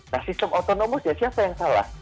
nah sistem otonomous ya siapa yang salah